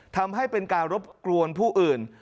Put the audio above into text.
ทำให้เป็นการรบกวนผู้อื่น